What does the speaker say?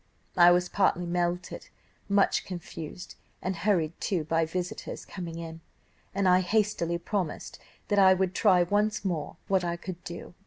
I was partly melted, much confused, and hurried, too, by visitors coming in, and I hastily promised that I would try once more what I could do.